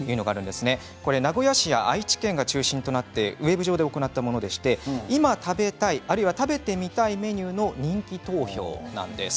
名古屋市や愛知県が中心となってウェブ上で行ったもので今、食べたい、食べてみたいメニューの人気投票なんです。